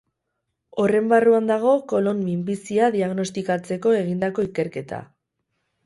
Horren barruan dago kolon minbizia diagnostikatzeko egindako ikerketa.